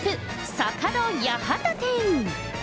坂戸八幡店。